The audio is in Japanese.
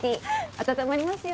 温まりますよ。